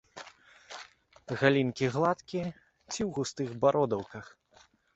Галінкі гладкія ці ў густых бародаўках.